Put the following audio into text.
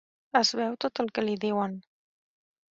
Es beu tot el que li diuen.